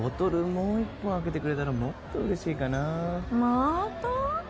もう一本あけてくれたらもっと嬉しいかなまた？